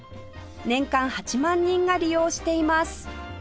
年間８万人が利用しています